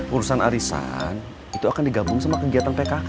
urusan arisan itu akan digabung sama kegiatan pkk